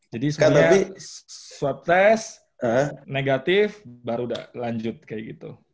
jadi sebenernya swab test negatif baru udah lanjut kayak gitu